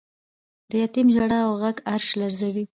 د یتیم ژړا او غږ عرش لړزوی.